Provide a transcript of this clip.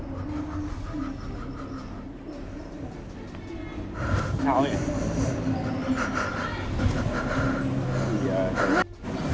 chú bị cầm lạnh rồi